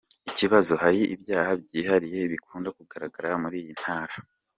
Ikibazo : Hari ibyaha byihariye bikunda kugaragara muri iyi ntara ?